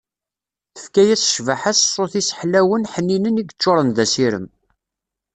Tefka-as cbaḥa s ssut-is ḥlawen ḥninen i yeččuren d asirem.